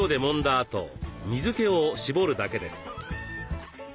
あと水けを絞るだけです。